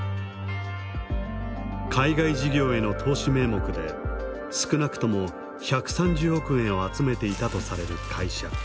海外事業への投資名目で少なくとも１３０億円を集めていたとされる会社。